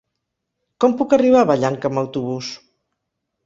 Com puc arribar a Vallanca amb autobús?